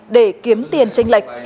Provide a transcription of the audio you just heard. để kiếm tiền tranh lệch